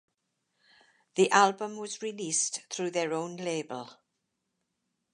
The album was released through their own label.